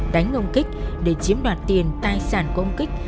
đánh ông kích để chiếm đoạt tiền tài sản của ông kích